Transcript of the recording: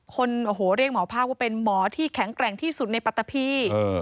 คนโอ้โหเรียกหมอภาคว่าเป็นหมอที่แข็งแกร่งที่สุดในปัตตะพี